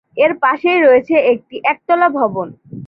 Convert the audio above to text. এর পাশেই রয়েছে একটি একতলা ভবন।